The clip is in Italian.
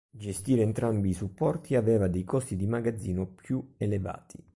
Gestire entrambi i supporti aveva dei costi di magazzino più elevati.